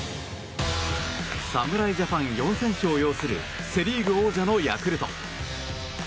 侍ジャパン４選手を擁するセ・リーグ王者のヤクルト。